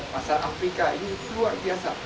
pasar afrika ini luar biasa